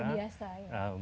pakai air biasa ya